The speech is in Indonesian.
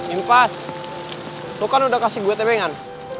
impas lo kan udah kasih gue tebengan